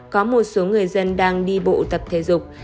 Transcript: có một số người dân đang đi bộ tập thể dục